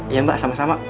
iya mbak sama sama